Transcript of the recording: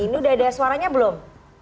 ini udah ada suaranya belum